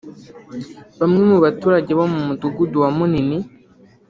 Bamwe mu baturage bo mu Mudugudu wa Munini